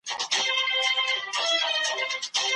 ولي نړیواله مرسته په نړیواله کچه ارزښت لري؟